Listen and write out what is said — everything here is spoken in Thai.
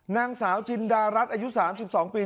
นางสาวจินดารัฐอายุ๓๒ปี